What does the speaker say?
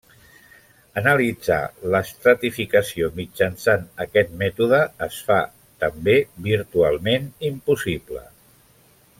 Analitzar l'estratificació mitjançant aquest mètode es fa també virtualment impossible.